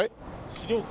資料館。